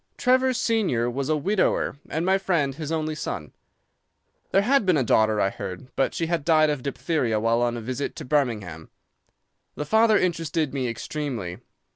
"Trevor senior was a widower, and my friend his only son. "There had been a daughter, I heard, but she had died of diphtheria while on a visit to Birmingham. The father interested me extremely.